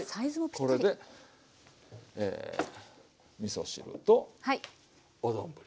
これで。えみそ汁とお丼が。